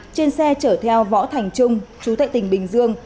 trên xe chở theo võ thành trung chú thệ tỉnh bình dương